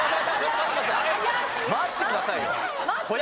待ってくださいよ！